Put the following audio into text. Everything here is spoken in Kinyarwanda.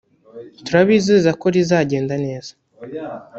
turabizeza ko rizagenda neza